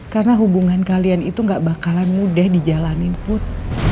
karena hubungan kalian itu gak bakalan mudah dijalani put